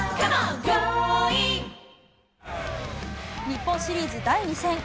・日本シリーズ第２戦。